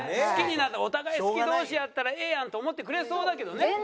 好きになったお互い好き同士やったらええやんって思ってくれそうだけどね。